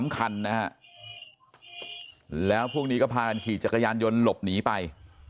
คันนะฮะแล้วพวกนี้ก็พากันขี่จักรยานยนต์หลบหนีไป